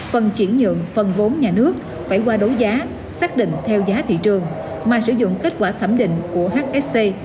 phần chuyển nhượng phần vốn nhà nước phải qua đấu giá xác định theo giá thị trường mà sử dụng kết quả thẩm định của hsc